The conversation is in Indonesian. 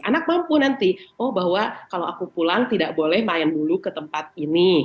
anak mampu nanti oh bahwa kalau aku pulang tidak boleh main dulu ke tempat ini